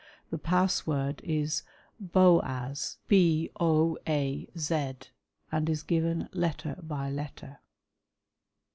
The pass word is BoAZ, and is given letter by letter.